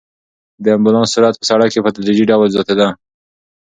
د امبولانس سرعت په سړک کې په تدریجي ډول زیاتېده.